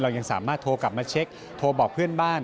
ยังสามารถโทรกลับมาเช็คโทรบอกเพื่อนบ้าน